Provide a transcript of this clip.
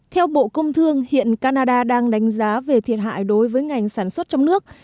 theo bộ công thương hiện canada đang đánh giá về thiệt hại đối với ngành sản xuất trong nước